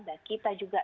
dan kita juga